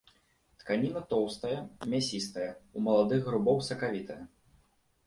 Тканіна тоўстая, мясістая, у маладых грыбоў сакавітая.